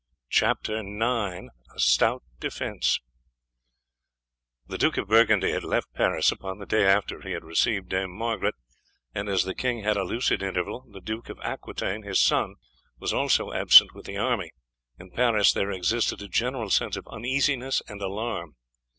CHAPTER IX A STOUT DEFENCE The Duke of Burgundy had left Paris upon the day after he had received Dame Margaret, and as the king had a lucid interval, the Duke of Aquitaine, his son, was also absent with the army. In Paris there existed a general sense of uneasiness and alarm.